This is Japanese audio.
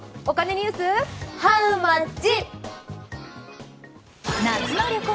ニュースハウマッチ。